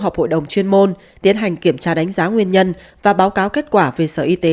học hội đồng chuyên môn tiến hành kiểm tra đánh giá nguyên nhân và báo cáo kết quả về sở y tế